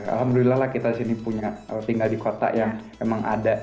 alhamdulillah lah kita sini punya tinggal di kota yang memang ada